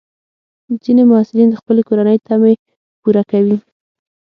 ځینې محصلین د خپلې کورنۍ تمې پوره کوي.